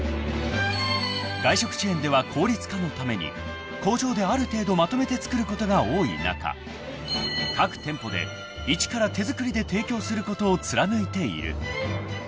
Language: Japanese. ［外食チェーンでは効率化のために工場である程度まとめて作ることが多い中各店舗で一から手作りで提供することを貫いている］